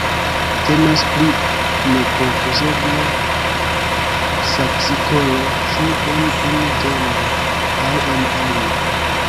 Temas pri nekonfuzebla saksikolo ĉu en unu genro aŭ en alia.